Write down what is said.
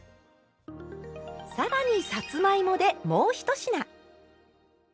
更にさつまいもでもう１品！